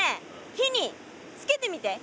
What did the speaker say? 火につけてみて。